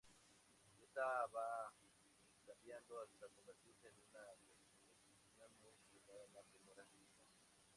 Ésta va cambiando hasta convertirse en una repetición muy similar a la primera sección.